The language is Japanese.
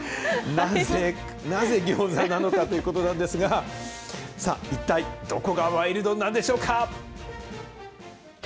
なぜ餃子なのかということなんですが、さあ、一体どこがワイルドなんでしょうか？